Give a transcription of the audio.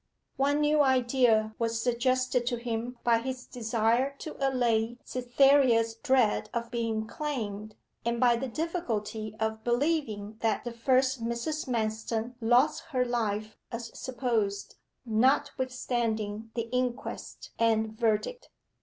One new idea was suggested to him by his desire to allay Cytherea's dread of being claimed, and by the difficulty of believing that the first Mrs. Manston lost her life as supposed, notwithstanding the inquest and verdict.